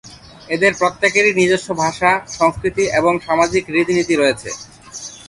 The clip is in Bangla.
এদের প্রত্যেকেরই নিজস্ব ভাষা, সংস্কৃতি এবং সামাজিক রীতি-নীতি রয়েছে।